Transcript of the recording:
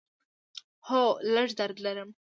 هو، لږ درد لرم